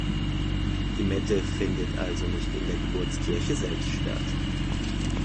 Die Mette findet also nicht in der Geburtskirche selbst statt.